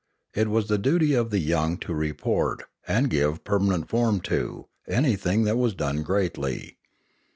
It was the duty of the young to report, and give permanent form to, anything that was done greatly.